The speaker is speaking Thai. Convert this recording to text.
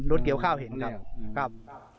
เกี่ยวข้าวเห็นครับ